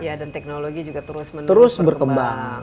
iya dan teknologi juga terus menerus berkembang